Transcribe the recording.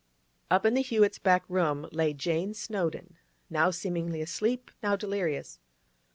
Up in the Hewetts' back room lay Jane Snowdon, now seemingly asleep, now delirious.